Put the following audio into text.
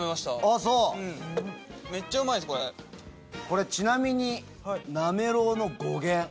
ちなみになめろうの語源。